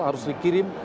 harus dikirim komitmen